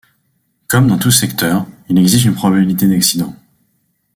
Comme dans tous secteurs, il existe une probabilité d’accident.